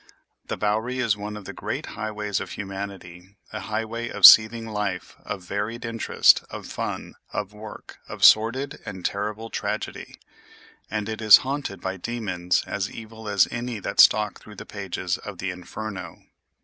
The Bowery is one of the great highways of humanity, a highway of seething life, of varied interest, of fun, of work, of sordid and terrible tragedy; and it is haunted by demons as evil as any that stalk through the pages of the Inferno.